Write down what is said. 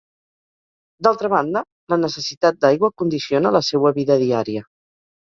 D'altra banda, la necessitat d'aigua condiciona la seua vida diària.